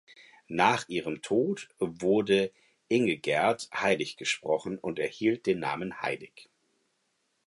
Nach ihrem Tod wurde Ingegerd heiliggesprochen und erhielt den Namen Hl.